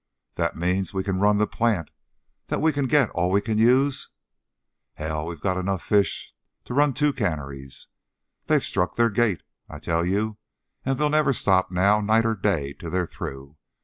"That means that we can run the plant that we'll get all we can use?" "Hell! We've got fish enough to run two canneries. They've struck their gait I tell you, and they'll never stop now night or day till they're through.